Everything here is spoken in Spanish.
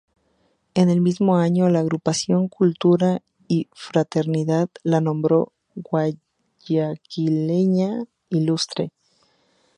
En el mismo año, la Agrupación Cultura y Fraternidad la nombró "Guayaquileña Ilustre".